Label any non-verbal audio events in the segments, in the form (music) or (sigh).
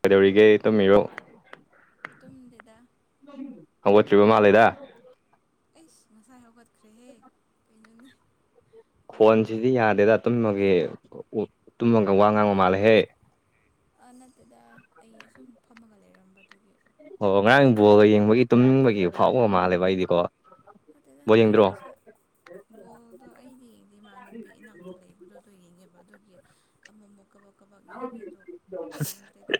ꯀꯩꯗꯧꯔꯤꯒꯦ ꯇꯨꯝꯃꯤꯔꯣ ꯇꯨꯝꯗꯦꯗ ꯍꯧꯒꯠꯇ꯭ꯔꯤꯕ ꯃꯥꯂꯦꯗ ꯑꯩꯁ ꯉꯁꯥꯏ ꯍꯧꯒꯠꯈ꯭ꯔꯦꯍꯦ ꯀꯩꯅꯣꯅꯦ ꯍꯧꯖꯤꯛꯄꯨ ꯈꯣꯟꯁꯤꯗꯤ ꯌꯥꯗꯦꯗ ꯇꯨꯝꯃꯒꯦ ꯇꯨꯝꯃꯒ ꯋꯥ ꯉꯥꯡꯕ ꯃꯥꯜꯂꯦꯍꯦ ꯑ ꯅꯠꯇꯦꯗ ꯑꯩ ꯁꯨꯝ ꯐꯝꯃꯒ ꯂꯩꯔꯝꯕꯗꯨꯒꯤ ꯑꯣ ꯉꯔꯥꯡ ꯕꯣꯜꯒ ꯌꯦꯡꯕꯒꯤ ꯇꯨꯝꯅꯤꯡꯕꯒꯤ ꯐꯥꯎꯕ ꯃꯥꯜꯂꯦꯕ ꯑꯩꯗꯤꯀꯣ ꯅꯠꯇꯦꯗ ꯕꯣꯜ ꯅꯠꯇꯦꯗ ꯌꯦꯡꯗ꯭ꯔꯣ ꯏꯁꯥ ꯕꯣꯜꯗꯣ ꯑꯩꯗꯤ ꯌꯦꯡꯗꯦ ꯏꯃꯥꯟꯅꯕꯤ ꯏꯅꯥꯎꯄꯤ ꯂꯩꯕꯗꯨꯗꯣ ꯌꯦꯡꯉꯦꯕ ꯑꯗꯨꯒꯤ ꯑꯃꯝꯕ ꯀꯥꯚꯛ ꯀꯥꯚꯛ ꯌꯦꯡꯉꯦ ꯑꯗꯣ ꯌꯦꯡꯗ꯭ꯔꯦꯗ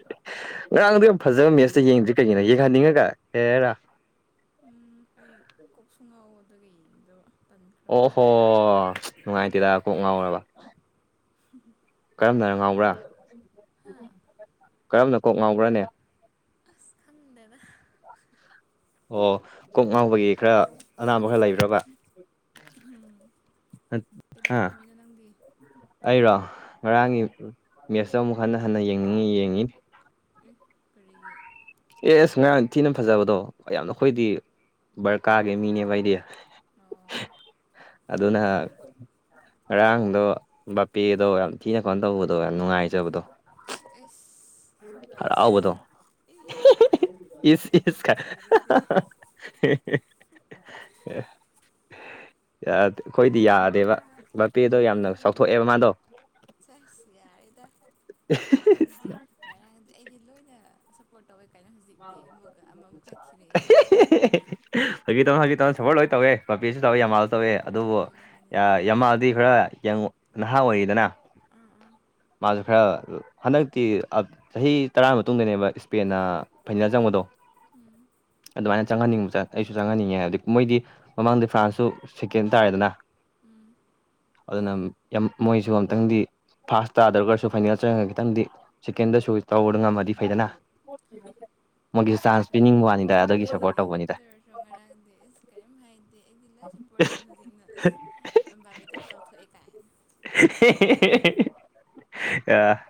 ꯉꯔꯥꯡꯗꯣ ꯌꯥꯝ ꯐꯖꯕ ꯃꯦꯠꯁꯇ ꯌꯦꯡꯗ꯭ꯔꯤ ꯀꯩꯒꯤꯅꯣ ꯌꯦꯡꯍꯟꯅꯤꯡꯉꯒ ꯍꯦꯔꯥ ꯎꯝ ꯑꯩ ꯀꯣꯛꯁꯨꯨ ꯉꯥꯎꯕ ꯑꯗꯨꯒꯤ ꯌꯦꯡꯅꯤꯡꯗꯕ ꯑꯣꯍꯣ ꯅꯨꯡꯉꯥꯏꯇꯦꯗ ꯀꯣꯛ ꯉꯥꯎꯔꯕ ꯎꯝ ꯀꯔꯝꯅ ꯉꯥꯎꯕ꯭ꯔꯥ ꯀꯔꯝꯅ ꯀꯣꯛ ꯉꯥꯎꯕ꯭ꯔꯅꯦ ꯈꯪꯗꯕ ꯑꯣ ꯀꯣꯛ ꯉꯥꯎꯕꯒꯤ ꯈꯔ ꯑꯅꯥꯕ ꯈꯔ ꯂꯩꯕ꯭ꯔꯕ ꯎꯝ ꯑ ꯍꯥꯥ ꯀꯩꯗꯧꯔꯝꯃꯤꯅꯣ ꯅꯪꯗꯤ ꯑꯩꯔꯣ ꯉꯔꯥꯡꯒꯤ ꯎꯝ ꯃꯦꯠꯁꯇ ꯑꯃꯨꯛ ꯍꯟꯅ ꯍꯟꯅ ꯌꯦꯡꯅꯤꯡꯉꯤ ꯌꯦꯡꯉꯤ ꯀꯔꯤꯒꯤ ꯑꯦ ꯑꯁ ꯉꯔꯥꯡ ꯊꯤꯅ ꯐꯖꯕꯗꯣ ꯌꯥꯝꯅ ꯑꯩꯈꯣꯏꯗꯤ ꯕꯔꯀꯥꯒꯤ ꯃꯤꯅꯦꯕ ꯑꯩꯗꯤ ꯑꯣ ꯑꯗꯨ ꯑꯗꯨꯅ ꯉꯔꯥꯡꯗꯣ ꯕꯥꯄꯦꯗꯣ ꯌꯥꯝ ꯊꯤꯅ ꯀꯣꯅ ꯇꯧꯕꯗꯣ ꯌꯥꯝ ꯅꯨꯡꯉꯥꯏꯖꯕꯗꯣ ꯑꯦꯐ ꯑꯕꯗꯣ ꯏꯁ ꯏꯁ ꯈ ꯅꯪꯒꯤꯗꯨꯗꯤ (unintelligible) ꯑꯩꯈꯣꯏꯗꯤ ꯄꯨꯡ ꯌꯥꯗꯦꯕ ꯕꯄꯦꯗꯣ ꯌꯥꯝꯅ ꯆꯥꯎꯊꯣꯛꯑꯦꯕ ꯃꯥꯗꯣ ꯁꯁ ꯌꯥꯔꯦꯗ ꯉꯔꯥꯡꯗꯤ ꯉꯔꯥꯡꯗꯤ ꯑꯩꯗꯤ ꯂꯣꯏꯅ ꯁꯞꯄꯣꯔꯠ ꯇꯧꯋꯦ ꯀꯥꯏꯅ ꯍꯧꯖꯤꯛꯇꯤ ꯑꯃꯨꯛꯀ ꯑꯃꯃꯨꯛ ꯍꯥꯏꯈꯤꯔꯛꯑꯦꯅꯦ ꯍꯧꯖꯤꯛ ꯇꯧ ꯍꯧꯖꯤꯛ ꯇꯧ ꯁꯄꯣꯔ ꯂꯣꯏ ꯇꯧꯋꯦ ꯄꯄꯤꯁꯨ ꯇꯧꯋꯦ ꯏꯌꯥ ꯌꯥꯝꯃꯜꯁꯨ ꯇꯧꯋꯦ ꯑꯗꯨꯕꯨ ꯍꯣꯏꯅꯦ ꯍꯣꯏꯅꯦ ꯌꯥꯝꯃꯥꯗꯤ ꯈꯔ ꯌꯦꯉ ꯅꯍꯥ ꯑꯣꯏꯔꯤꯗꯅ ꯑꯥ ꯑꯥ ꯃꯥꯁꯨ ꯈꯔ ꯍꯟꯗꯛꯇꯤ ꯆꯍꯤ ꯇꯔꯥ ꯃꯇꯨꯡꯗꯅꯦꯕ ꯏꯁꯄꯦꯟꯅ ꯐꯥꯏꯅꯦꯜ ꯆꯪꯕꯗꯣ ꯎꯝ ꯑꯗꯨꯃꯥꯏꯅ ꯆꯪꯍꯟꯅꯤꯡꯕ ꯑꯩꯁꯨ ꯆꯪꯍꯟꯅꯤꯡꯉꯦ ꯑꯗꯨ ꯃꯣꯏꯗꯤ ꯃꯃꯥꯡꯗꯤ ꯐ꯭ꯔꯥꯟꯁꯁꯨ ꯁꯦꯀꯦꯟ ꯇꯥꯔꯦꯗꯅ ꯎꯝ ꯑꯗꯨꯅ ꯃꯣꯏꯁꯨ ꯑꯨꯛꯇꯪꯗꯤ ꯐꯥꯁ ꯇꯥꯗ꯭ꯔꯒꯁꯨ ꯐꯥꯏꯅꯦꯜ ꯆꯪꯉꯒ ꯈꯤꯇꯪꯗꯤ ꯁꯦꯀꯦꯟꯗꯁꯨ ꯇꯧꯕꯗ ꯉꯝꯃꯗꯤ ꯐꯩꯗꯅ ꯃꯣꯏꯒꯤꯁꯨ ꯆꯥꯟꯁ ꯄꯤꯅꯤꯡꯕ ꯋꯥꯅꯤꯡ ꯍꯣꯏꯅꯤꯅꯦ ꯑꯗꯨ ꯑꯣꯏꯔꯁꯨ ꯉꯔꯥꯡꯗꯤ ꯑꯁ ꯀꯔꯤꯝ ꯍꯥꯏꯗꯦ ꯑꯩꯗꯤ ꯂꯣꯏ ꯁꯄꯣꯔꯠ ꯇꯧꯍꯁꯤꯅ ꯑꯁ ꯕꯥꯕꯗ ꯆꯧꯊꯣ ꯑꯦꯥꯏ ꯑ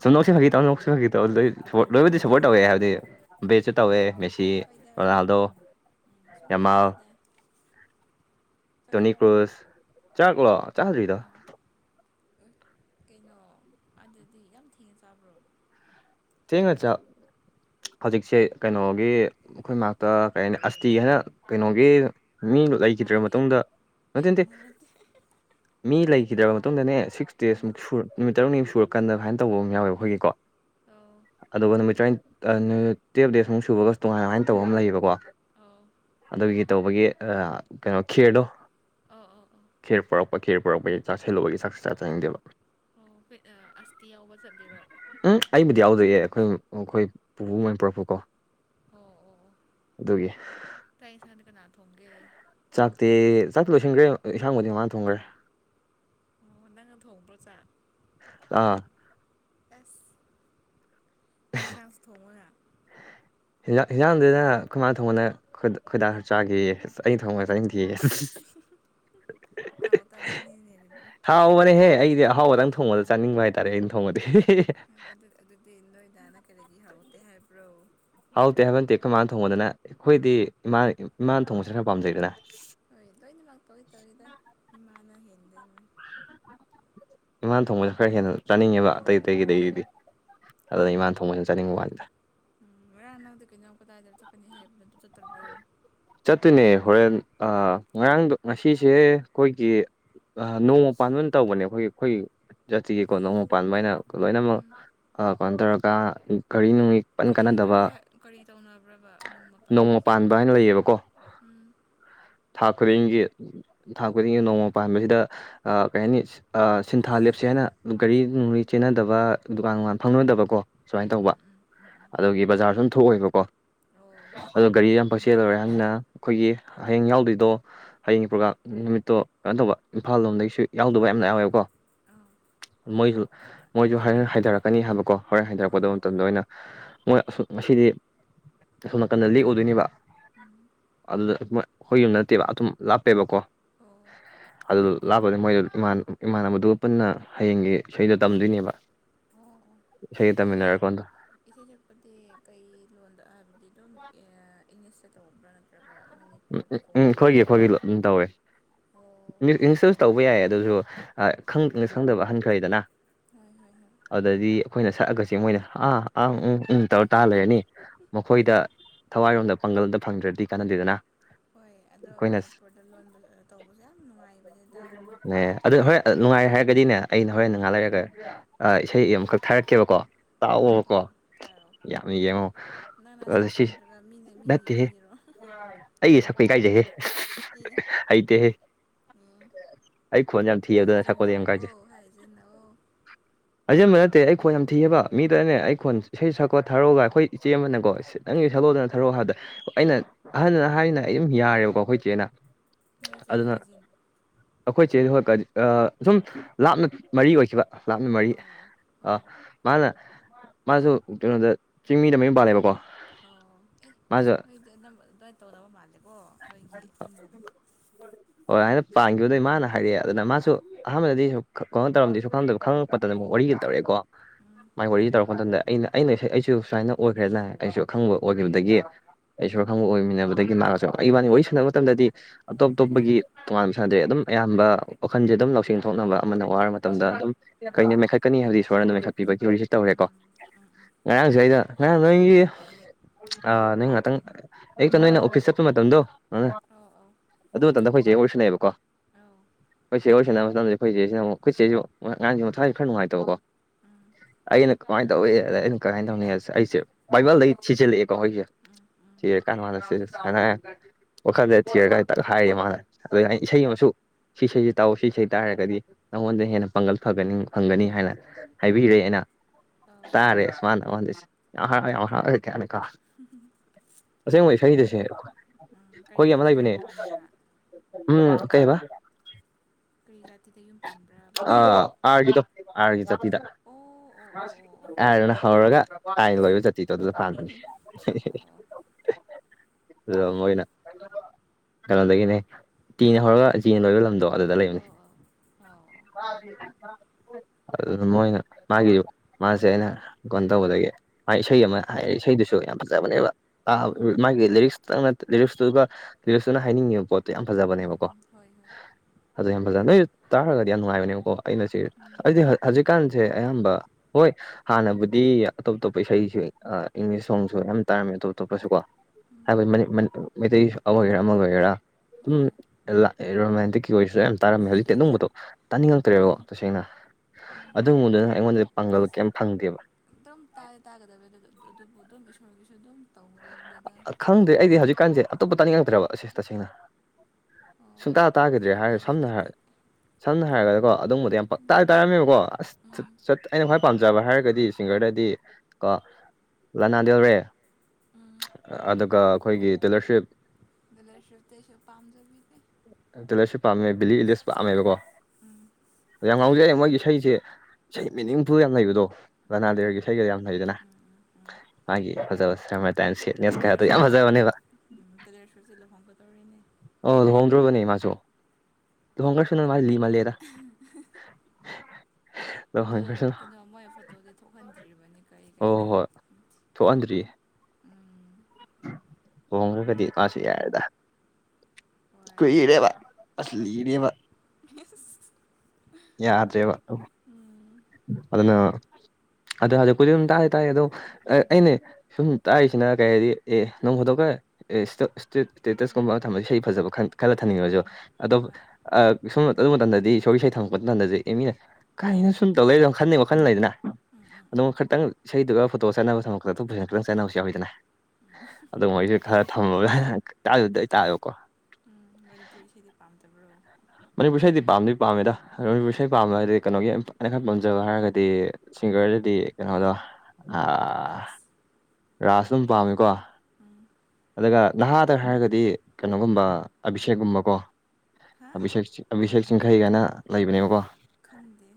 ꯁꯨꯝ ꯅꯣꯛꯁꯤ ꯐꯪꯒꯤ ꯇ ꯅꯣꯛꯁꯤ ꯐ ꯇ ꯑꯗꯨ ꯂꯣꯏꯕꯨꯗꯤ ꯎꯝ ꯁꯞꯄꯣꯔꯠ ꯇꯧꯋꯦ ꯍꯥꯏꯕꯗꯤ ꯦꯠꯁꯨ ꯇꯧꯋꯦ ꯐꯩ ꯃꯦꯁꯤ ꯍꯣꯏꯗ ꯍꯣꯏꯗ ꯔꯣꯅꯥꯜꯗꯣ ꯎꯝ ꯁꯨꯝ ꯌꯥꯃꯥꯜ ꯍꯖꯥꯕꯨꯣ ꯆꯥ ꯀꯂꯣ ꯆꯥꯖꯤꯔꯤꯗ ꯀꯩꯅꯣ ꯑꯗꯨꯗꯤ ꯌꯥꯝ ꯊꯦꯡꯅ ꯆꯥꯕ꯭ꯔꯣ ꯊꯦꯡꯉ ꯆ ꯍꯧꯖꯤꯛꯁꯦ ꯀꯩꯅꯣꯒꯤ ꯑꯩꯈꯣꯏ ꯃꯇ ꯀꯔꯤ ꯍꯥꯏꯅꯤ ꯑꯁꯇꯤ ꯍꯥꯏꯅ ꯀꯩꯅꯣꯒꯤ ꯃꯤ ꯂꯩꯈꯤꯗ꯭ꯔ ꯑꯉꯥꯡꯒꯤ ꯃꯇꯨꯡꯗ ꯑꯦ ꯅꯠꯇꯦ ꯅꯠꯇꯦ ꯑꯉꯥꯡ ꯃꯤ ꯂꯩꯈꯤꯗ꯭ꯔꯕ ꯃꯇꯨꯡꯗꯅꯦ ꯁꯤꯛꯁ ꯎꯝ ꯗꯦꯁꯃꯨꯛ ꯁ ꯅꯨꯃꯤꯠ ꯇꯔꯨꯛꯅꯤꯃꯨꯛ ꯁꯨꯔꯀꯥꯟꯗꯃꯥꯏꯅ ꯇꯧꯕ ꯑꯃ ꯌꯥꯎꯋꯦꯕꯈꯣꯏꯒꯤꯀꯣ ꯑꯧ ꯑꯗꯨꯒ ꯅꯨꯃꯤꯠ ꯇꯔꯥꯅꯤꯠ ꯇꯨꯌꯦꯞ ꯗꯦꯖꯃꯨꯛ ꯁꯨꯕꯒꯁꯨ ꯇꯣꯉꯥꯏꯃꯥꯏꯅ ꯇꯧꯕ ꯑꯃ ꯂꯩꯌꯦꯕꯀꯣ ꯑ ꯑꯗꯨꯒꯤ ꯇꯧꯕꯒꯤ ꯀꯩꯅꯣ ꯈꯦꯔꯗꯣ ꯑꯣ ꯑꯣ ꯑꯣ ꯈꯦꯔ ꯄꯣꯔꯛꯄ ꯈꯦꯔ ꯄꯔꯛꯄꯒꯤ ꯆꯥꯁꯦꯜꯂꯨꯕꯒꯤ ꯆꯥꯛꯁꯦ ꯆꯥꯖꯅꯤꯡꯗꯦꯕ ꯑꯣ ꯑꯁꯇꯤ ꯌꯥꯎꯕ ꯆꯠꯂꯔꯣ ꯎꯝ ꯑꯩꯕꯨꯗꯤ ꯌꯥꯎꯖꯩꯑꯌꯦ ꯑꯩꯈꯣꯏ ꯑꯩꯈꯣꯏ ꯄꯨꯕꯨ ꯃꯅꯤ ꯄꯨꯔꯛꯄꯨꯀꯣ ꯑꯣ ꯑꯣ ꯑꯗꯨꯒꯤ ꯇꯥꯏ ꯏꯁꯗ ꯀꯅꯥ ꯊꯣꯡꯒꯦ ꯆꯥꯛꯇꯦ ꯆꯥꯛꯇ ꯂꯣꯏꯁꯤꯟꯈ꯭ꯔꯦ ꯏꯟꯁꯥꯡꯕꯨꯗꯤ ꯃꯥꯟꯅ ꯊꯣꯡꯈ꯭ꯔꯦ ꯑꯣ ꯅꯪ ꯊꯣꯡꯕ꯭ꯔꯣꯖꯥ ꯑꯥ ꯑꯦꯁ ꯍꯤꯡꯖꯥꯡꯁꯨ ꯊꯣꯡꯦ ꯍꯤꯟꯖꯥꯡ ꯍꯤꯟꯖꯥꯡꯗꯨꯅ ꯑꯈꫭꯏ ꯃꯥ ꯊꫭꯡꯍꯜꯂꯦ ꯑꯈꫭꯏ ꯑꯈꫭꯏꯗꯥꯅ ꯆꯥꯒꯤꯌꯦ ꯑꯩ ꯊꯣꯡꯉ ꯆꯥꯅꯤꯡꯗꯦꯌꯦ ꯍꯥꯎꯇꯕꯩꯅꯤꯅꯦ ꯑꯗꯨꯗꯤ ꯍꯥꯎꯕꯅꯤꯍꯦ ꯑꯩꯒꯤ ꯑꯥ ꯍꯥꯎꯕꯗꯪ ꯊꯣꯡꯉꯖꯨ ꯆꯥꯅꯤꯡꯕ ꯍꯥꯏꯇꯥꯔꯦ ꯑꯩꯅ ꯊꯣꯡꯉꯗꯤ ꯑꯗꯨ ꯑꯗꯨꯗꯤ ꯅꯣꯏꯗꯅ ꯀꯔꯤꯒꯤ ꯍꯥꯎꯇꯦ ꯍꯥꯏꯕ꯭ꯔꯣ ꯍꯥꯎꯇꯦ ꯍꯥꯏꯕ ꯅꯇꯦ ꯑꯈꫭꯏꯃꯥꯅ ꯊꯣꯡꯕꯗꯅ ꯑꯩꯈꯣꯏꯗꯤ ꯏꯃꯥ ꯏꯃꯥꯅ ꯊꯣꯡꯕꯁꯨꯅ ꯄꯥꯝꯖꯩꯗꯅ ꯍꯣꯏ ꯂꯣꯏꯅꯃꯛ ꯇꯧꯋꯤ ꯇꯧꯋꯤꯗ ꯏꯃꯥꯅ ꯍꯦꯟꯗꫭꯏꯅꯤ ꯏꯃꯥꯅ ꯊꯣꯡꯕꯁꯨ ꯈꯔ ꯍꯦꯟꯅ ꯆꯥꯅꯤꯡꯉꯦꯕ ꯑꯇꯩ ꯎꯝ ꯎꯝ ꯑꯇꯩꯒꯤꯗꯩꯗꯤ ꯑꯗꯨꯅ ꯍꯣꯏ ꯏꯃꯥꯅ ꯊꯣꯡꯕꯅ ꯆꯥꯅꯤꯡꯕ ꯋꯥꯅꯤꯗ ꯎꯝ ꯉꯔꯥꯡ ꯅꯪꯗꯤ ꯀꯩꯅꯣ ꯀꯗꯥꯏꯗ ꯆꯠꯀꯅꯤ ꯍꯥꯏꯕꯗꫭ ꯆꯠꯇꯕ꯭ꯔꯣ ꯆꯠꯇꯣꯏꯅꯦ ꯍꯣꯔꯦꯟ ꯉꯔꯥꯡꯗꯣ ꯉꯁꯤꯁꯦ ꯑꯩꯈꯣꯏꯒꯤ ꯅꯣꯡꯃ ꯄꯥꯟꯕꯅ ꯇꯧꯕꯅꯦ ꯑꯩꯈꯣꯏꯒꯤ ꯑꯩꯈꯣꯏ ꯖꯥꯇꯤꯒꯤꯀꯣ ꯅꯣꯡꯃ ꯄꯥꯟꯕ ꯍꯥꯏꯅ ꯂꯣꯏꯅꯃꯛ ꯎꯝ ꯈꯔ ꯄꯥꯡꯗꯔꯒ ꯒꯥꯔꯤ ꯅꯨꯡꯒꯤ ꯏꯄꯟ ꯀꯔꯤ ꯀꯥꯟꯅꯗꯕ ꯀꯔꯤ ꯀꯔꯤ ꯇꯧꯅꯕ꯭ꯔꯕ ꯅꯣꯡꯃ ꯄꯥꯟꯕꯁꯦ ꯀꯣ ꯎꯝ ꯊꯥ ꯈꯨꯗꯤꯡꯒꯤ ꯊꯥ ꯈꯨꯗꯤꯡꯒꯤ ꯅꯣꯡꯃ ꯄꯥꯟꯕꯁꯤꯗ ꯑ ꯀꯩ ꯍꯥꯏꯅꯤ ꯑ ꯎꯝ ꯁꯤꯟꯊꯥ ꯂꯦꯞꯁꯦ ꯍꯥꯏꯅ ꯒꯥꯔꯤ ꯅꯨꯡꯂꯤ ꯆꯦꯟꯅꯗꯕ ꯗꯨꯀꯥꯟ ꯉꯥꯟ ꯐꯝꯅꯗꯕ ꯀꯣ ꯁꯨꯃꯥꯏ ꯎꯝ ꯇꯧꯕ ꯑꯗꯨꯒꯤ ꯕꯖꯥꯔ ꯁꯨꯝ ꯊꯣꯛꯎꯏꯕꯀꯣ ꯑꯗꯣ ꯒꯥꯔꯤ ꯌꯥꯝ ꯄꯥꯛ ꯆꯦꯜꯂꯔꫭꯏ ꯍꯥꯏꯅꯤꯅ ꯑꯩꯈꯣꯏꯒꯤ ꯍꯌꯦꯡ ꯌꯥꯎꯗ꯭ꯣꯏꯗꯣ ꯍꯌꯦꯡ ꯄ꯭ꯔꯣꯒꯥꯝ ꯅꯨꯃꯤꯠꯇꯣ ꯀꯩꯅꯣ ꯇꯧꯕ ꯏꯝꯐꯥꯜ ꯂꯣꯝꯗꯩꯁꯨ ꯌꯥꯎꯗꯕ ꯌꯥꯝꯅ ꯌꯥꯎꯋꯦꯕꯀꯣ ꯃꯣꯏꯁꯨ ꯃꯣꯏꯁꯨ ꯍꯌꯦꯡ ꯍꯥꯏꯗꯔꯛꯀꯅꯤ ꯍꯥꯏꯕꯀꯣ ꯍꯣꯔꯦꯟ ꯎꯝ ꯎꯝ ꯍꯥꯏꯗꯔꯛꯄꯗ ꯃꯇꯝꯗ ꯑꯣꯏꯅ ꯃꯣꯏ ꯑ ꯉꯁꯤꯗꯤ ꯑꯁꯣꯝ ꯅꯥꯀꯟꯗ ꯂꯦꯛ ꯎꯗꯣꯏꯅꯦꯕ ꯎꯝ ꯑꯗꯨꯗ ꯑꯩꯈꯣꯏ ꯌꯨꯝ ꯅꯠꯇꯦꯕ ꯑꯗꯨꯝ ꯂꯥꯞꯄꯦꯕꯀꯣ ꯑꯣ ꯑꯗꯨꯗ ꯂꯥꯛꯄꯗ ꯃꯣꯏꯗ ꯏꯃꯥꯟꯅꯕꯗꯨ ꯄꯨꯟꯅ ꯍꯌꯦꯡꯒꯤ ꯏꯁꯩꯗ ꯇꯝꯗꯣꯏꯅꯦꯕ ꯑꯣ ꯑꫭ ꯏꯁꯩꯒ ꯅꫭꯏꯒꯤꯁꯤ ꯇꯝꯃꯤꯟꯅꯔꯀꯥꯟꯗ ꯏꯁꯩ ꯁꯛꯄꯗꯤ ꯀꯩ ꯂꯣꯟꯗ ꯍꯥꯏꯕꯗꯤ ꯑꯗꯨꯝ ꯏꯪꯂꯤꯁꯇ ꯇꯧꯕ꯭ꯔꯥꯅ ꯅꯠꯇ꯭ꯔꯒ ꯃꯅꯤꯄꯨꯔꯗ ꯇꯧꯕꯔ ꯑꯈꯣꯏꯒꯤ ꯂꫭꯟꯗ ꯎꯝ ꯇꯧꯋꯦ ꯃꯤꯠ ꯏꯪꯂꯤꯁꯇꯁꯨ ꯇꯧꯕ ꯌꯥꯏ ꯑꯗꯨꯁꯨ ꯑꯥ ꯈꯪ ꯏꯪꯂꯤꯁ ꯈꯪꯗꯕ ꯍꯟꯈ꯭ꯔꯦꯗꯅ ꯍꯣꯏ ꯍꯣꯏ ꯍꯣꯏ ꯑꯗꯗꯤ ꯑꯈꯣꯏꯅ ꯁꯛꯑꯒ ꯁꯦ ꯃꯣꯏꯅ ꯍꯥ ꯑꯥ ꯎꯪ ꯎꯝ ꯇꯧꯔ ꯇꯥꯔ ꯂꯩꯔꯅꯤ ꯃꯈꯣꯏꯗ ꯊꯋꯥꯏꯔꯣꯝꯗ ꯄꯥꯡꯒꯜꯗ ꯐꯪꯗ꯭ꯔꯗꯤ ꯀꯥꯟꯅꯗꯦꯗꯅ ꯍꯣꯏ ꯑꯗꯣ ꯑꯩꯈꯣꯏꯅ ꯃꯅꯤꯄꯨꯔꯗ ꯂꯣꯟꯕꯖꯨ ꯑꯇꯧꯕꯖꯨ ꯌꯥꯝ ꯅꯨꯡꯉꯥꯏꯕꯅꯤꯗ ꯅꯦ ꯑꯗꯨ ꯍꯣꯔꯦꯟ ꯅꯨꯡꯉꯥꯏꯔꯦ ꯍꯥꯏꯔꯒꯗꯤꯅꯦ ꯑꯩꯅ ꯍꯣꯔꯦꯟ ꯎꯝ ꯉꯍꯥꯛ ꯂꯩꯔꯒ ꯑꯥ ꯏꯁꯩ ꯑꯃꯈꯛ ꯊꯥꯔꯛꯀꯦꯕꯀꯣ ꯊꯥꯔꯛꯑꯣ ꯇꯥꯎꯕꯀꯣ ꯊꯥꯔꯛꯑꯣ ꯊꯥꯔꯛꯑꯣ ꯌꯥꯝ ꯌꯦꯡꯉꯣ ꯅꯪꯅ ꯑꯗꯨ ꯁꯠꯄ ꯁꯤ ꯅꯠꯇ꯭ꯔꯒ ꯃꯤꯅ ꯃꯤꯒꯤ ꯅꯠꯇꯦꯍꯦ ꯃꯤꯒꯤꯔꯣ ꯑꯩꯒꯤ ꯁꯛꯄ ꯏꯀꯥꯏꯖꯩꯍꯦ ꯑꯦ ꯍꯩꯇꯦꯍꯦ ꯑꯩ ꯈꯣꯟꯖꯦ ꯌꯥꯝ ꯊꯤ ꯍꯥꯏꯖꯤꯟꯅꯧꯀꫭ ꯍꯥꯏꯖꯤꯟꯅꯧ ꯍꯥꯏꯖꯤꯟꯕꯅꯠꯇꯦ ꯑꯩ ꯈꯣꯟ ꯌꯥꯝ ꯊꯤꯑꯕ ꯃꯤꯗꯅꯦ ꯑꯩ ꯈꯣꯟ ꯏꯁꯩ ꯁꯛꯄꯣ ꯊꯥꯔꯛꯑꯒ ꯑꯩꯈꯣꯏ ꯏꯆꯦ ꯑꯃꯅꯀꯣ ꯅꯪꯒꯤ ꯎꯝ ꯁꯂꯣꯗꯅ ꯊꯔꯛꯑꯣ ꯍꯥꯏꯕꯗ ꯑꯩꯅ ꯑꯍꯟꯗꯅ ꯍꯥꯏꯔꯤꯅ ꯑꯩ ꯑꯗꯨꯝ ꯌꯥꯔꯦꯕꯀꯣ ꯑꯩꯈꯣꯏ ꯆꯦꯅ ꯅꯣꯏ ꯆꯦꯗꯤ ꯀꯖꯤꯟ ꯑꯩꯈꯣꯏꯁꯦ ꯍꯣꯏ ꯀ ꯁꯨꯝ ꯂꯥꯞꯅ ꯃꯔꯤ ꯑꯣꯏꯈꯤꯕ ꯂꯥꯞꯅ ꯃꯔꯤ ꯑꯧ ꯑ ꯑꯧ ꯃꯥꯅ ꯃꯥꯁꯨ ꯀꯩꯅꯣꯗ ꯆꯤꯡꯃꯤꯗ ꯃꯌꯨꯝ ꯄꯥꯜꯂꯦꯕꯀꯣ ꯑꯧ ꯑꯦ ꯃꯥꯁꯨ ꯅꯣꯏꯗꯤ ꯑꯅꯝꯕ ꯑꯗꯨꯃꯥꯏ ꯇꯧꯅꯕ ꯃꯥꯜꯂꯦꯀꯣ ꯅꯣꯏꯒꯤ ꯏꯃꯨꯡ ꯍꯣꯏ ꯑꯗꯥꯟꯅ ꯄꯥꯟꯈꯤꯕꯗꯩ ꯃꯥꯅ ꯍꯥꯏꯔꯛꯑꯦ ꯑꯗꯨꯅ ꯃꯥꯁꯨ ꯑꯍꯥꯟꯕꯗꯗꯤ ꯈ ꯀ ꯀꯅꯣ ꯇꯧꯔꯝꯗꯤ ꯁꯨ ꯈꯪꯗꯕ ꯈꯪꯉꯛꯄꯗ ꯋꯥꯔꯤꯒ ꯇꯧꯔꯑꯦꯀꯣ ꯎꯝ ꯃꯥꯏ ꯋꯥꯔꯤ ꯇꯧꯔꯛꯄ ꯃꯇꯝꯗ ꯑꯩꯅ ꯑꯩꯅ ꯑꯩꯁꯨ ꯁꯨꯃꯥꯏꯅ ꯑꯣꯏꯈ꯭ꯔꯦꯅ ꯑꯩꯁꯨ ꯈꯪꯕ ꯑꯣꯏꯈꯤꯕꯗꯒꯤ ꯑꯩꯁꯨ ꯈꯪꯕ ꯑꯣꯏꯃꯤꯟꯅꯕꯗꯒꯤ ꯃꯥꯒ ꯏꯕꯥꯏꯅꯤ ꯋꯥꯔꯤ ꯁꯥꯟꯅꯕ ꯃꯇꯝꯗꯗꯤ ꯑꯇꯣꯞ ꯎꯝ ꯇꯣꯞꯄꯒꯤ ꯇꯣꯉꯥꯟ ꯁꯥꯗ꯭ꯔꯦ ꯑꯗꯨꯝ ꯑꯌꯥꯝꯕ ꯋꯥꯈꯜꯖꯦ ꯑꯗꯨꯝ ꯂꯧꯁꯤꯡ ꯊꯣꯛꯅꯕ ꯑꯃꯅ ꯋꯥꯔ ꯍꯣꯏ ꯃꯇꯝꯗ ꯍꯣꯏ ꯑꯗꯨꯝ ꯍꯣꯏ ꯀꯩꯅ ꯍꯣꯏ ꯃꯦꯟꯈꯠꯀꯅꯤ ꯍꯥꯏꯕꯗꯤ ꯏꯁꯣꯔꯅ ꯃꯦꯟꯈꯠꯄꯤꯕ ꯊꯤꯑꯣꯔꯤꯁꯤ ꯇꯧꯔꯦꯀꯣ ꯎꯝ ꯎꯝ ꯎꯝ ꯉꯔꯥꯡꯁꯨ ꯑꯩꯅ ꯉꯔꯥꯡ ꯅꯣꯏꯒꯤ ꯑꯥ ꯅꯣꯏ ꯉꯥꯛꯇꯪ ꯑꯌꯨꯛꯇ ꯅꯣꯏ ꯑꯣ ꯐꯤꯁ ꯆꯠꯄ ꯃꯇꯝꯗꯣ ꯑꯏ ꯑꯥꯎ ꯑꯥꯎ ꯑꯗꯨ ꯃꯇꯝꯗ ꯑꯈꯣꯏ ꯆꯦ ꯋꯥꯔꯤ ꯁꯥꯅꯩꯕꯀꯣ ꯑꯧ ꯑꯈꯣꯏ ꯆꯦ ꯋꯥꯔꯤ ꯁꯥꯟꯅꯕ ꯃꯇꯝꯗ ꯑꯈꯣꯏ ꯏꯆꯦꯁꯤꯅ ꯑꯃꯨꯛ ꯈꯣꯏ ꯆꯦꯁꯨ ꯉꯥ ꯉꯔꯥꯡꯗꯤ ꯃꯊꯋꯥꯏ ꯈꯔ ꯅꯨꯡꯉꯥꯏꯇꯕꯀꯣ ꯎꯝ ꯑꯩꯒꯤꯅ ꯀꯃꯥꯏ ꯇꯧꯋꯤ ꯑꯗ ꯑꯩꯅ ꯀꯃꯥꯏꯅ ꯇꯧꯅꯤ ꯍꯥꯏꯁꯦ ꯑꯩꯁꯦ ꯕꯥꯏꯕꯜꯗꯒꯤ ꯊꯤꯖꯤꯜꯂꯛꯑꯦꯀꯣ ꯍꯣꯏꯖꯦ ꯎꯝ ꯎꯝ ꯁꯤ ꯀꯥꯅ ꯀ (unintelligible) ꯅꯥꯅ ꯁꯤ ꯈꯅ ꯋꯥꯈꯜꯖꯦ ꯊꯤꯔꯒ ꯇꯛ ꯍꯥꯏꯌꯦ ꯃꯥꯅ ꯑꯗꯨ ꯑꯩꯅ ꯏꯁꯩ ꯑꯃꯁꯨ ꯁꯤ ꯏꯁꯩꯖꯦ ꯇꯥꯑꯣ ꯁꯤ ꯏꯁꯩ ꯇꯥꯔꯒꯗꯤ ꯅꯪꯉꯣꯟꯗ ꯍꯦꯟꯅ ꯄꯥꯡꯒꯜ ꯐꯒꯅꯤ ꯐꯪꯒꯅꯤ ꯍꯥꯏꯅ ꯍꯥꯏꯕꯤꯔꯦ ꯑꯩꯅ ꯑꯥ ꯌꯥꯔꯦ ꯑꯁ ꯃꯥꯅ ꯃꯥꯗꯦ ꯌꯥꯝ ꯍꯔꯥꯎ ꯌꯥꯝ ꯍꯔꯥꯎꯒ ꯀꯌꯥꯅꯤꯀꯣ ꯑꯁꯦꯡꯕꯣꯏ ꯏꯁꯩꯗꯨ ꯀꯔꯤ ꯁꯤꯅꯦ ꯎꯝ ꯀꯔꯤ ꯑꯈꯣꯏꯒꯤ ꯑꯃ ꯖꯥꯇꯤꯗ ꯂꯩꯕꯅꯦ ꯌꯨꯝ ꯄꯥꯟꯕ꯭ꯔꯥ ꯎꯝ ꯀꯩ ꯑꯕ ꯀꯩ ꯖꯥꯇꯤꯗ ꯌꯨꯝ ꯄꯥꯟꯕ꯭ꯔꯕꯥꯥ ꯑꯔꯒꯤꯗꯣ ꯑꯥꯔꯒꯤ ꯆꯧꯀꯔꯤꯗ ꯑꯣ ꯑꯣ ꯑꯣ ꯑꯣ ꯑꯣ ꯑꯣ ꯑꯣ ꯑꯥꯔꯅ ꯍꯧꯔꯒ ꯑꯥꯏꯅ ꯂꯣꯏꯕ ꯆꯧ ꯇꯤꯛꯇꯣ ꯑꯗꯨꯗ ꯍꯥꯟꯕꯅꯤ ꯑꯣ ꯑꯗꯨꯗ ꯃꯣꯏꯅ ꯀꯩꯅꯣꯗꯒꯤꯅꯤ ꯀꯦꯅ ꯍꯧꯔꯒ ꯖꯦꯅ ꯂꯣꯏꯕ ꯂꯝꯗꯣ ꯑꯥꯎ ꯑꯥ ꯑꯣ ꯑꯗꯨ ꯃꯣꯏꯅ ꯃꯥꯒꯤ ꯃꯥꯁꯦ ꯑꯩꯅ ꯀꯩꯅꯣ ꯇꯧꯕꯗꯒꯤ ꯃꯥ ꯏꯁꯩ ꯑꯃ ꯍꯥꯏ ꯏꯁꯩꯗꯨꯁꯨ ꯌꯥꯝ ꯐꯖꯕꯅꯦꯕ ꯑꯥ ꯎ ꯎꯝ ꯃꯥꯒꯤ ꯂꯤꯔꯤꯛꯁꯇꯪ ꯂꯤꯔꯤꯛꯁꯇꯨꯒ ꯖꯦꯁꯨꯅ ꯍꯥꯏꯅꯤꯡꯉꯤꯕ ꯄꯣꯠꯇꯦ ꯌꯥꯝ ꯐꯖꯕꯅꯦꯕ ꯎꯝ ꯎꯝ ꯍꯣꯏ ꯍꯣꯏ ꯑꯗꯨ ꯍꯝꯕꯜ ꯅꯣꯏ ꯇꯥꯈꯔꯒꯗꯤ ꯌꯥꯝ ꯅꯨꯡꯉꯥꯏꯕꯅꯦꯕꯀꯣ ꯑꯩꯅ ꯁꯤ ꯎꯝ ꯑꯩꯗꯤ ꯍꯧꯖꯤ ꯍꯧꯖꯤꯛꯀꯥꯟꯁꯦ ꯑꯌꯥꯝꯕ ꯍꯣꯏ ꯍꯥꯟꯅꯕꯨꯗꯤ ꯑꯇꯣꯞ ꯑꯇꯣꯞꯄ ꯏꯁꯩꯁꯨ ꯏꯪꯂꯤꯁ ꯁꯣꯡꯁꯨ ꯌꯥꯝ ꯇꯥꯔꯝꯃꯦ ꯑꯇꯣꯞꯇꯣꯞꯄꯁꯨ ꯀꯣ ꯎꯝ ꯍꯥꯏꯕ ꯃꯩꯇꯩ ꯑꯃ ꯑꯣꯏꯒꯦꯔꯥ ꯑꯃ ꯑꯣꯏꯒꯦꯔꯥ ꯍꯣꯏ ꯍꯣꯏ ꯑꯗꯨꯝ ꯔꯣꯃꯥꯟꯇꯤꯛꯀꯤ ꯑꯣꯏꯔꯁꯨ ꯌꯥꯝ ꯇꯥꯔꯝꯃꯦ ꯍꯥꯏ ꯇ ꯑꯗꯨꯝꯕꯗꯣ ꯇꯥꯅꯤꯡꯉꯛꯇ꯭ꯔꯦꯕꯣ ꯑꯥ ꯇꯁꯦꯡꯅ ꯎꯝ ꯑꯗꯨꯒꯨꯝꯕꯗꯨꯅ ꯑꯩꯉꯣꯟꯗ ꯄꯥꯡꯒꯜ ꯑꯁ ꯀꯩꯝ ꯐꯪꯗꯦꯕ ꯑꯗꯨꯝ ꯇꯥꯏ ꯇꯥꯒꯗꯕꯅꯤꯗ ꯑꯗꯨꯕꯨ ꯑꯗꯨꯝ ꯏꯁꯣꯔꯒꯤꯁꯨ ꯑꯗꯨꯝ ꯇꯧꯒꯗꯕꯗꯨꯗ ꯈꯪꯗ꯭ꯔꯦ ꯑꯩꯗꯤ ꯍꯧꯖꯤꯛꯀꯥꯟꯁꯦ ꯑꯇꯣꯞꯄ ꯇꯥꯅꯤꯡꯉꯛꯇ꯭ꯔꯕ ꯑꯁꯦ ꯇꯁꯦꯡꯅ ꯑꯣ ꯁꯨꯡꯇꯥ ꯇꯥꯈꯤꯗ꯭ꯔꯦ ꯐꯩ ꯍꯥꯏꯔ ꯐꯩꯌꯦ ꯁꯝꯅ ꯑꯗꯨꯗꯤ ꯍꯥꯏꯔ ꯁꯝꯅ ꯍꯥꯏꯔꯒꯗꯤꯀꯣ ꯑꯗꯨꯝꯕꯗ ꯌꯥꯝ ꯄꯛ ꯎꯝ ꯇꯥꯏ ꯇꯥꯏꯔꯝꯃꯦꯕꯀꯣ ꯑꯁ ꯎꯝ ꯇꯠ ꯑꯩꯅ ꯈ꯭ꯋꯥꯏ ꯄꯥꯝꯖꯕ ꯍꯥꯏꯔꯒꯗꯤ ꯁꯤꯡꯒꯔꯗꯗꯤ ꯀꯣ ꯂꯅꯥꯗꯦꯜꯔꯦ ꯎꯝ ꯑꯗꯨꯒ ꯑꯈꯣꯏꯒꯤ ꯇꯤꯂꯔꯁꯤꯞ ꯇꯦꯂꯔꯁꯤꯞꯇꯤ ꯑꯩꯁꯨ ꯄꯥꯝꯖꯕꯤꯗꯦ ꯇꯤꯂꯔꯁꯤꯞ ꯄꯥꯝꯃꯦ ꯕꯤꯂꯤ ꯏꯂꯤꯁ ꯄꯥꯝꯃꯦꯕꯀꯣ ꯎꯝ ꯌꯥꯝ ꯉꯥꯎꯖꯩ ꯃꯣꯏꯒꯤ ꯏꯁꯩꯖꯦ ꯏꯁꯩ ꯃꯤꯅꯤꯡꯐꯨꯜ ꯌꯥꯝ ꯂꯩꯕꯗꯣ ꯎꯝ ꯎꯝ ꯔꯅꯥꯗꯤꯔꯒꯤ ꯏꯁꯩꯒ ꯌꯥꯝ ꯂꯩꯗꯅ ꯎꯝ ꯎꯝ ꯎꯝ ꯃꯥꯒꯤ ꯐꯖꯕ ꯁꯔꯃꯇꯥꯏꯝ ꯁꯦꯠꯂꯦꯀꯥ ꯇꯦꯂꯔ ꯌꯥꯝ ꯁ꯭ꯋꯤꯐꯇꯤ ꯐꯖꯕꯅꯦꯕ ꯇꯦꯂꯔ ꯁꯋꯤꯞꯁꯦ ꯂꯨꯍꯣꯡꯒꯗꯧꯔꯦꯅꯦ ꯑꯧ ꯂꯍꯣꯡꯗ꯭ꯔꯣꯕꯅꯦ ꯃꯥꯁꯨ ꯂꯍꯣꯡꯈ꯭ꯔꯁꯅꯨ ꯃꯥ ꯂꯤꯃꯜꯂꯦꯗ (inaudible) ꯑꯥ ꯂꯨꯍꯣꯡꯈ꯭ꯔꯁꯅꯨ ꯀꯩꯅꯣ ꯃꯣꯏ ꯐꯣꯇꯣꯗꯤ ꯊꯣꯛꯍꯟꯗ꯭ꯔꯤꯕꯅꯤ ꯀꯔꯤ ꯍꯣꯏ ꯀꯔꯤ ꯍꯣꯏ ꯇꯧ ꯍꯣꯏ ꯈꯪꯗꯦ ꯊꯣꯛꯍꯟꯗ꯭ꯔꯤ ꯍꯣꯡꯒꯔꯒꯗꯤ ꯃꯥꯁꯨ ꯌꯥꯔꯦꯗ ꯍꯣꯏ ꯀꯨꯏꯔꯦꯕ ꯑꯁ ꯂꯤꯂꯦꯕ ꯏꯁ ꯌꯥꯗ꯭ꯔꯦꯕ ꯎꯝ ꯑꯗꯨꯅ ꯑꯗ ꯍꯧꯖꯤꯛ ꯄꯨꯗꯤ ꯇꯥꯏ ꯇꯥꯏ ꯑꯗꯣ ꯑꯅꯦ ꯁꯨꯝ ꯇꯥꯛꯏꯁꯤꯅ ꯀꯩ ꯍꯥꯏꯗꯤ ꯑꯦ ꯅꯪ ꯈꯣꯗꯣꯛꯀ ꯑꯦ ꯏꯁꯇꯦꯇꯁ ꯀꯨꯝꯕ ꯑꯃ ꯊꯝꯕꯁꯦ ꯍꯩ ꯐꯖꯕ ꯈꯜꯂ ꯊꯝꯅꯤꯡꯉ꯭ꯔꯁꯨ ꯑꯗꯣ ꯍꯣꯏ ꯑ ꯁꯣꯝ ꯑꯗꯨ ꯃꯇꯝꯗꯗꯤ ꯏꯁꯣꯔ ꯏꯁꯩ ꯁꯪꯉꯛꯄ ꯃꯇꯝꯗꯗꯤ ꯑꯦꯃꯤꯅ ꯀꯥꯏ ꯁꯨꯝ ꯇꯧꯔꯦ ꯑꯗꯨ ꯈꯜꯂꯤꯩ ꯋꯥꯈꯜ ꯂꯩꯗꯅ ꯎꯝ ꯎꯝ ꯎꯝ ꯑꯗꯨꯝ ꯈꯤꯇꯪ ꯏꯁꯩꯗꯨꯒ ꯐꯣꯇꯣ ꯆꯥꯟꯅꯕ ꯁꯃꯛꯇꯇꯞ ꯐ ꯇꯪꯥꯟꯅꯕꯁꯨ ꯌꯥꯎꯋꯗꯅ ꯎꯝ ꯑꯗꯨ ꯃꯣꯏꯁꯨ ꯈꯔ ꯊꯝꯃ ꯇꯔꯗ ꯇꯔꯣꯀꯣ ꯃꯅꯤꯄꯨꯔꯤꯁꯤꯗꯤ ꯄꯥꯝꯗꯕ꯭ꯔꯣ ꯃꯅꯤꯄꯨꯔ ꯏꯁꯩꯗꯤ ꯄꯥꯝꯗꯤ ꯄꯥꯝꯃꯦꯗ ꯃꯅꯤꯄꯨꯔ ꯏꯁꯩ ꯄꯥꯝꯕ ꯍꯥꯏꯗꯤ ꯀꯩꯅꯣꯒꯤ ꯑꯥꯏ ꯈꯔ ꯄꯥꯝꯖꯕ ꯍꯥꯏꯔꯒꯗꯤ ꯁꯤꯡꯒꯔꯗꯗꯤ ꯀꯩꯅꯣꯗꯣ ꯔꯥꯁ ꯔꯥꯁ ꯑꯗꯨꯝ ꯄꯥꯝꯃꯦꯀꯣ ꯎꯝ ꯑꯗꯨꯒ ꯅꯍꯥꯗ ꯍꯥꯏꯔꯒꯗꯤ ꯀꯩꯅꯣꯒꯨꯝꯕ ꯑꯕꯤꯁꯦꯛꯀꯨꯝꯕꯀꯣ ꯍꯥ ꯑꯕꯤꯦꯛ ꯑꯕꯤꯁꯦꯛ ꯆꯤꯡꯈꯩ ꯀꯥꯏꯅ ꯂꯩꯕꯅꯦꯕꯀꯣ ꯈꯪꯗꯦ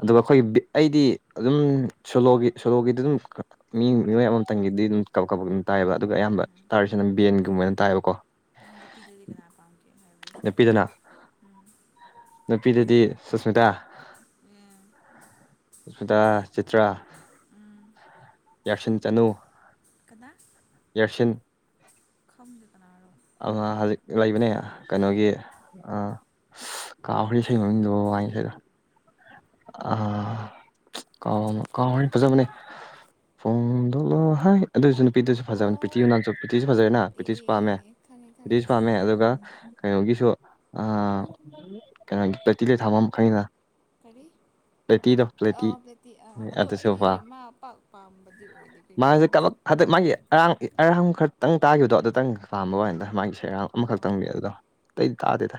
ꯑꯗꯨꯒ ꯑꯩꯈꯣꯏꯒꯤꯕꯤ ꯑꯩꯗꯤ ꯑꯗꯨꯝ ꯁꯣꯂꯣꯒꯤ ꯁꯣꯂꯣꯒꯤꯗꯤ ꯑꯗꯨꯝ ꯃꯤ ꯃꯤꯑꯣꯏ ꯑꯃꯇꯪꯒꯤꯗꯤ ꯑꯗꯨꯝ ꯀ ꯀꯄꯛ ꯑꯗꯨꯝ ꯇꯥꯏꯑꯕ ꯑꯗꯨꯒ ꯑꯌꯥꯝꯕ ꯎꯝ ꯇꯥꯔꯤꯁꯤꯅ ꯕꯦꯟꯒꯨꯝꯕꯅ ꯇꯥꯏꯑꯕꯀꯣ ꯅꯨꯄꯤꯗꯗꯤ ꯀꯅꯥ ꯄꯥꯝꯒꯦ ꯍꯥꯏꯕꯗꯨ ꯁꯤꯟꯖꯌꯥꯗ ꯎꯝ ꯅꯨꯄꯤꯗꯨꯗꯤ ꯁꯨꯁꯃꯤꯇꯥ ꯑꯦ ꯑꯇꯥ ꯆꯤꯇ꯭ꯔꯥ ꯎꯝ ꯌꯥꯔꯁꯤꯟ ꯆꯅꯨ ꯀꯗꯥ ꯌꯥꯔꯁꯤꯟ ꯈꯪꯗꯗꯅꯔꯣ ꯑ ꯍꯧꯖꯤꯛ ꯂꯩꯕꯅꯦ ꯀꯩꯅꯣꯒꯤ ꯑ ꯑꯁ ꯀꯥꯎꯈ꯭꯭ꯔꯦ ꯏꯁꯩ ꯃꯃꯤꯡꯗꯣ ꯋꯥꯏꯅꯤ ꯁꯗ ꯑ ꯀꯥꯎ ꯀꯥꯎ ꯍꯥꯏ ꯐꯖꯕꯅꯦ ꯐꯣꯡꯗꯣꯂ ꯍꯥꯏ ꯑꯗꯨꯁꯨ ꯅꯨꯄꯤꯗꯨꯁꯨ ꯐꯖꯕꯅꯦ ꯑꯣ ꯄ꯭ꯔꯤꯊꯤꯅꯥꯝꯁꯨ ꯄ꯭ꯔꯤꯊꯤꯁ ꯄꯨꯡ ꯐꯖꯔꯦꯅ ꯑꯣ ꯑꯦ ꯄ꯭ꯔꯤꯇꯤꯁ ꯑꯦ ꯑꯦ ꯄꯥꯝꯃꯦ ꯑꯦ ꯈꯪꯉꯦ ꯈꯪꯉꯦ ꯄ꯭ꯔꯤꯇꯤꯁ ꯄꯥꯝꯃꯦ ꯑꯗꯨꯒ ꯀꯩꯅꯣꯒꯤꯁꯨ ꯀꯩꯅꯣꯒꯤ ꯇꯇꯤꯂ ꯊꯥꯐꯝ ꯃꯈꯩꯅ ꯀꯔꯤ ꯑ ꯄ꯭ꯂꯦꯇꯤ ꯑꯥ ꯑꯗꯣ ꯑꯗꯨꯁꯨ ꯑꯩꯗꯤ ꯄꯥꯝ ꯃꯥ ꯄꯥꯝꯕꯗꯤ ꯑꯣꯏꯗꯤꯦ ꯀꯩꯒꯤꯔꯣ ꯃꯥꯁꯦ ꯀꯂꯛ ꯍꯟꯗꯛ ꯃꯥꯒꯤ ꯑꯔꯥꯡ ꯑꯔꯝꯈꯛꯇꯪ ꯇꯥꯈꯤꯕꯗꯣ ꯑꯗꯨꯇꯪ ꯄꯥꯝꯕ ꯋꯥꯗ ꯃꯥꯒꯤ ꯁꯦꯔꯥꯡ ꯑꯣ ꯑꯃꯈꯛꯇꯪꯕꯤ ꯑꯗꯨꯗꯣ ꯇꯩ ꯇꯥꯗꯦꯗ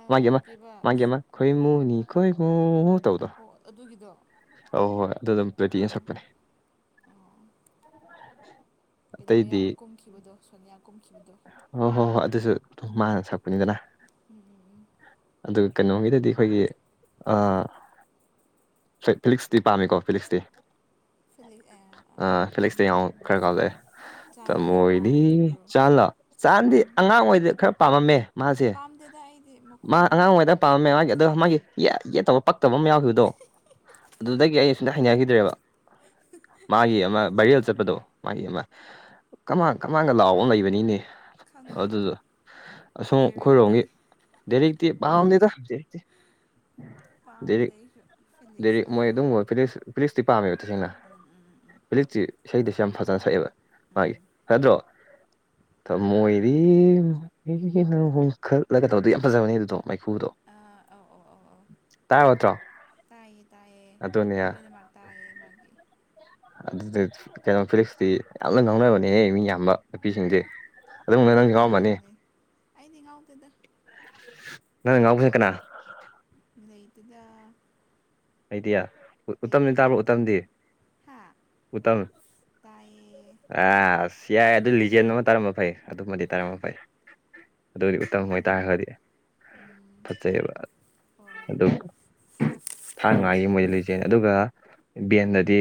ꯑꯥ ꯑꯥ ꯃꯥꯒꯤꯦꯃ ꯀꯩꯕ ꯃꯥꯒꯦ ꯑꯃ ꯈꯣꯏ ꯃꯨꯅꯤ ꯈꯣꯏꯣ ꯑꯣ ꯑꯗꯨꯒꯤꯗꯣ ꯑ ꯍꯣꯏ ꯍꯣꯏ ꯑꯗꯨ ꯑꯗꯨꯝ ꯄꯦꯇꯤ ꯌꯦ ꯑꯣ ꯁꯛꯄꯅꯦ ꯑꯣ ꯀꯩꯅꯣ ꯑꯇꯩꯗꯤ ꯀꯨꯝꯈꯤꯕꯗꯣ ꯁꯣꯅꯤꯌꯥ ꯀꯨꯝꯈꯤꯕꯗꯣ ꯍꯣꯏ ꯍꯣꯏ ꯍꯣꯏ ꯑꯗꯨꯁꯨ ꯑꯗꯨꯝ ꯃꯥꯅ ꯁꯛꯄꯅꯤꯗꯅ ꯎꯝꯝ ꯑꯗꯨꯒ ꯀꯩꯅꯣꯝꯒꯤꯗꯗꯤ ꯑꯩꯈꯣꯏꯒꯤ ꯐ ꯐꯤꯂꯤꯛꯁꯇꯤ ꯄꯥꯝꯃꯤꯀꯣ ꯐꯤꯛꯁꯇꯤ ꯁꯜꯂꯤ ꯑꯥ ꯑꯥ ꯐꯦꯂꯤꯦꯛꯛꯁꯇ ꯌꯥꯡ ꯈꯔ ꯀꯥꯎꯂꯛꯑꯦ ꯆꯥꯟꯗꯤ ꯇꯃꯣꯣꯏꯗꯤ ꯄꯥꯝꯗꯕ꯭ꯔꯣ ꯆꯥꯂꯥ ꯆꯥꯍꯅꯗꯤ ꯎꯝ ꯑꯉꯥꯡ ꯑꯣꯏꯩꯗ ꯈꯔ ꯄꯥꯝꯃꯝꯃꯦ ꯃꯥꯁꯦ ꯌꯥꯝꯝꯗꯗ ꯍꯥꯏ ꯃꯥ ꯑꯉꯥꯡ ꯑꯣꯏꯉꯩꯗ ꯄꯥꯝꯃꯦ ꯃꯥꯒꯤ ꯑꯗꯣ ꯃꯥꯒꯤ ꯌꯦꯠꯇꯕ ꯄꯛꯇꯕ ꯑꯃ ꯌꯥꯎꯈꯤꯕꯗꯣ ꯑꯗꯨꯗꯒꯤ ꯑꯩ ꯁꯤꯗ ꯅꯪꯒꯤ ꯍꯥꯏꯅꯈꯤꯗ꯭ꯔꯦꯕ ꯇꯥꯅꯤꯡꯉꯥꯏ ꯃꯥꯒꯤ ꯌꯥꯏ ꯑꯃ ꯕꯥꯏꯔꯦꯜ ꯌꯥꯏꯁꯤꯅꯤ ꯆꯠꯄꯗꯣ ꯃꯥꯒꯤ ꯑꯃ ꯀꯃꯥꯟ ꯀꯃꯥꯏꯥꯟꯒ ꯂꯥꯎꯑꯣꯒ ꯂꯩꯕꯅꯤꯅꯦ ꯈꯪꯗꯦꯗ ꯑꯗꯨꯗ ꯑꯁꯣꯝ ꯗꯦꯔꯤꯛꯇꯤ ꯑꯩꯈꯣꯏꯔꯣꯝꯒꯤ ꯦꯗꯤ ꯄꯕꯥꯥꯎꯗꯦ ꯇꯗꯤꯦꯦ ꯄꯥꯝꯗꯦ ꯑꯩꯁꯨ ꯗꯦ ꯃꯣꯏ ꯐꯤꯂꯤꯛꯁꯅꯦ ꯑꯗꯨꯝꯕ ꯐ ꯐꯤꯂꯤꯛꯁꯇꯤ ꯄꯥꯝꯃꯦꯕ ꯇꯁꯦꯡꯅ ꯎꯝ ꯎꯝ ꯎꯝ ꯍꯧꯖꯤꯛꯇꯁꯤ ꯏꯁꯩꯗꯁꯨ ꯌꯥꯝ ꯐꯖꯅ ꯁꯛꯑꯦꯕ ꯃꯥꯒꯤ ꯎꯝ ꯁꯗ꯭ꯔꯣ ꯃꯣꯏꯗꯤ ꯍꯣꯡꯈꯠꯂꯒ ꯇꯧꯗ ꯌꯥꯝ ꯐꯖꯕꯅꯤ ꯑꯗꯨꯗꯣ ꯃꯥꯏꯈꯨꯗꯣ ꯑꯧ ꯑꯧ ꯑꯧ ꯑꯧ ꯇꯥꯏ ꯍꯠꯇ꯭ꯔꯣ ꯇꯥꯏ ꯇꯥꯏꯦ ꯗꯕꯣꯏꯗꯤꯃꯔ ꯇꯥꯏ ꯃꯥ ꯑꯗꯨꯗ ꯀꯩꯅꯣ ꯐꯤꯂꯤꯛꯁꯇꯤ ꯌꯥꯝꯅ ꯉꯥꯡꯅꯕꯅꯦꯍꯦ ꯃꯤ ꯌꯥꯝꯕ ꯅꯨꯄꯤꯁꯤꯡꯗꯤ ꯉꯥꯎꯅꯩꯌꯦ ꯉꯥꯎꯅꯩꯌꯦ ꯑꯩꯗꯤ ꯉꯥꯎꯗꯦꯗ ꯅꯪ ꯉꯥꯎ ꯀꯀ ꯂꯩꯗꯨꯗ ꯍꯥꯏꯗꯌꯥ ꯎꯇꯝꯅꯤ ꯇꯥꯕ꯭ꯔ ꯂꯩꯇꯦ ꯎꯇꯝꯗꯤ ꯍꯥ ꯎꯇꯝ ꯇꯥꯏꯌꯦ ꯑꯥ ꯑꯁ ꯌꯥꯏ ꯑꯗꯨ ꯂꯤꯖꯦꯟ ꯑꯃ ꯇꯥꯔꯝꯕ ꯐꯩ ꯑꯗꯨꯃꯗꯤ ꯇꯥꯔꯝꯕ ꯐꯩ ꯑꯗꯨꯗꯤ ꯎꯇꯝ ꯑꯣꯏ ꯇꯥꯏꯌꯦ ꯑꯣꯏꯇꯥꯥꯔ ꯈꯗꯤ ꯎꯝ ꯐꯖꯩꯑꯕ ꯍꯣꯏ ꯑꯗꯨ ꯊꯥ ꯃꯉꯥꯒꯤ ꯃꯣꯏꯗꯤ ꯂꯩꯖꯩꯅꯤ ꯑꯗꯨꯒ ꯕꯦꯟꯗꯗꯤ